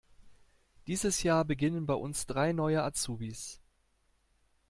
Dieses Jahr beginnen bei uns drei neue Azubis.